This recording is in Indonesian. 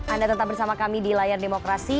anda tetap bersama kami di layar demokrasi